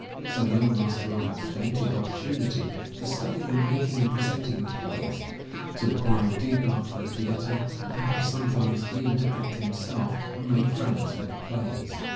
So young Master Will had plenty of opportunity to study the making and presenting of plays, to acquire a deep love for the theatre and perhaps sometimes even to act himself and make friends with the players.